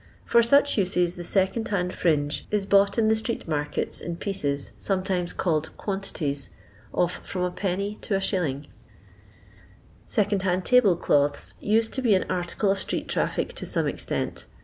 For such uses the second hand fringe is bought in the street markets in pieces, sometimes called " quantities," of from Id. to Is. Secondhand Tablecloths used to be an article of street traffic to some extent.